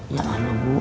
ya allah bu